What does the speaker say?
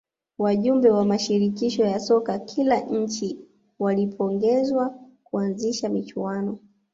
wajumbe wa mashirikisho ya soka kila nchi walipongezwa kuanzisha michuano